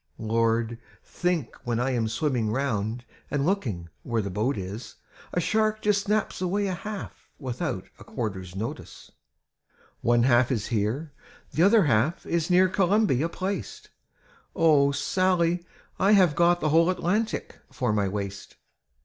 "Lord! think when I am swimming round. And looking where the boat is, A shark just snaps away a half, Without 'a quarterns notice/ Death's Ramble 801 '^One half is here, the other half Is near Columbia placed; O Sally, I have got the whole Atlantic for my waist.